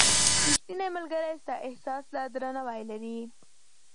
• ریښتینی ملګری ستا احساس ته درناوی لري.